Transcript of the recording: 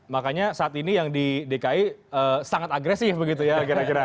makanya saat ini yang di dki sangat agresif begitu ya kira kira